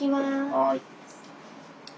はい。